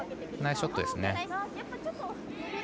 ナイスショットですね。